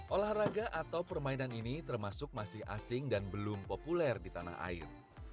olahraga atau permainan ini termasuk masih asing dan belum populer di tanah air